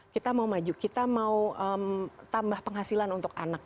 kita mau maju kita mau tambah penghasilan untuk anak